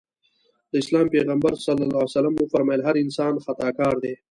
د اسلام پيغمبر ص وفرمایل هر انسان خطاکار دی.